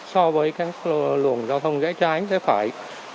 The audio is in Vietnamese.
so với các lùn giao thông dẹ trái dẹ phải